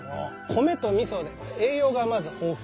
米とみそで栄養がまず豊富。